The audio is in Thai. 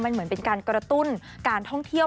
มันเหมือนเป็นการกระตุ้นการท่องเที่ยว